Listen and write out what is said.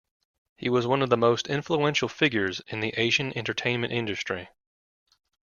He was one of the most influential figures in the Asian entertainment industry.